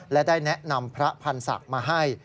และได้แนะนำพระพันธ์ศักดิ์มาให้